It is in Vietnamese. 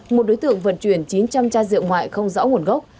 một đối tượng vận chuyển chín trăm linh chai rượu ngoại không rõ nguồn gốc